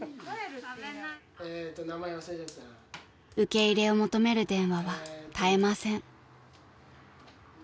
［受け入れを求める電話は絶えません］